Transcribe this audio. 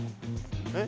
えっ？